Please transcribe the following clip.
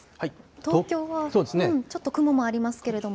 東京はちょっと雲もありますけれども。